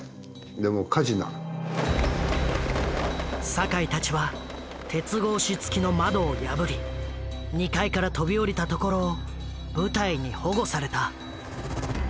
酒井たちは鉄格子付きの窓を破り二階から飛び降りたところを部隊に保護された。